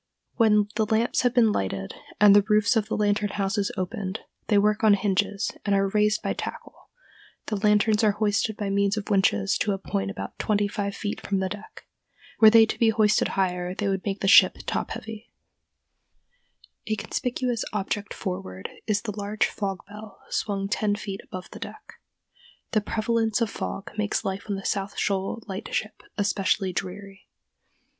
When the lamps have been lighted and the roofs of the lantern houses opened,—they work on hinges, and are raised by tackle,—the lanterns are hoisted by means of winches to a point about twenty five feet from the deck. Were they to be hoisted higher they would make the ship top heavy. [Illustration: LIGHTSHIP NO. 1, NANTUCKET NEW SOUTH SHOALS.] A conspicuous object forward is the large fog bell swung ten feet above the deck. The prevalence of fog makes life on the South Shoal Lightship especially dreary.